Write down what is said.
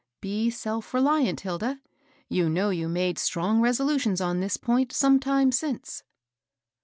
" Be self reliant, Hilda. You know you made strong resolutions on this point some time since."